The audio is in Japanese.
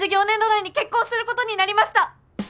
年度内に結婚することになりました！